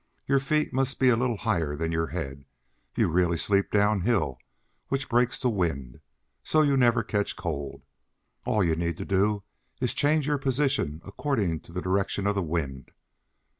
Your feet must be a little higher than your head; you really sleep down hill, which breaks the wind. So you never catch cold. All you need do is to change your position according to the direction of the wind.